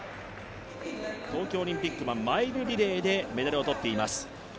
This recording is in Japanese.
東京オリンピックはマイルリレーでメダルを取っています。